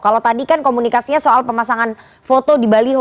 kalau tadi kan komunikasinya soal pemasangan foto di baliho